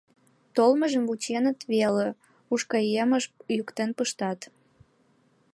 Толмыжым вученыт веле Уш кайымеш йӱктен пыштат